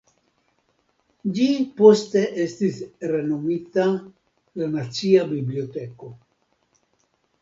Ĝi poste estis renomita la Nacia Biblioteko.